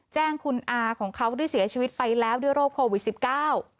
แจ้งคุณอาของเขาที่เสียชีวิตไปแล้วด้วยโรคโควิดสิบเก้า